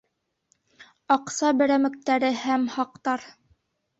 Аҡса берәмектәре һәм хаҡтар